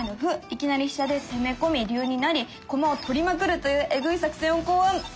いきなり飛車で攻め込み龍に成り駒を取りまくるというえぐい作戦を考案！